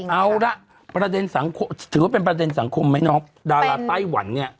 เอาละถือว่าเป็นประเทศสังคมไหมน้องดาราไต้หวันเนี่ย